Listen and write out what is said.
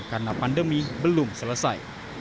karena pandemi belum selesai